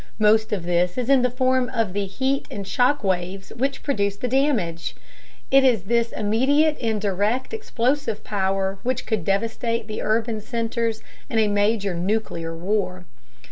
Most of this is in the form of the heat and shock waves which produce the damage. It is this immediate and direct explosive power which could devastate the urban centers in a major nuclear war.